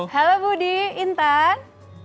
halo budi intan